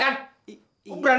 berani beraninya datang kemari